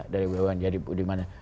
dari bumn jadi dimana